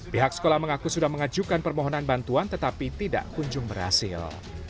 pihak sekolah mengaku sudah mengajukan permohonan bantuan tetapi tidak kunjung berhasil